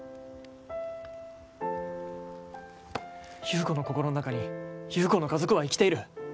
優子の心の中に優子の家族は生きている。